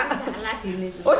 ini salah gini